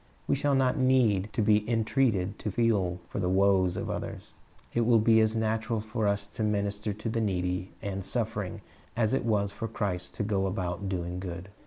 We shall not need to be entreated to feel for the woes of others. It will be as natural for us to minister to the needy and suffering as it was for Christ to go about doing good.